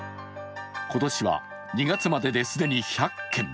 今年は２月までで既に１００件